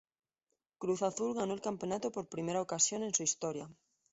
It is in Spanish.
Cruz Azul ganó el campeonato por primera ocasión en su historia.